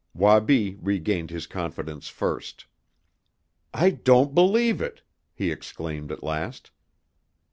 Wabi regained his confidence first. "I don't believe it!" he exclaimed at last.